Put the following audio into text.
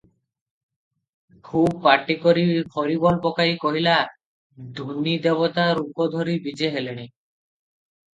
ଖୁବ୍ ପାଟି କରି ହରିବୋଲ ପକାଇ କହିଲା, ଧୂନି ଦେବତା ରୂପ ଧରି ବିଜେ ହେଲେଣି ।